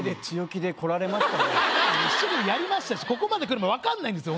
一生懸命やりましたしここまで来るの分かんないんです